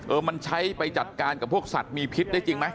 มันใช้ไปจัดการกับพวกสัตว์มีพิษได้จริงไหม